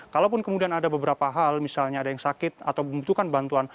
kalaupun kemudian ada beberapa hal misalnya ada yang sakit atau membutuhkan bantuan